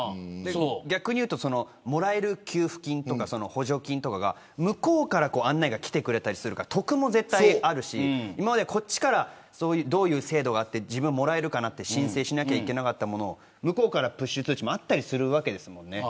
逆に言うともらえる給付金とか補助金とか向こうから案内が来てくれるから得も絶対にあるし今まではどういう制度があって自分がもらえるか申請しなければいけなかったものが向こうから教えてくれることもあったりする。